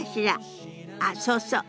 あっそうそう。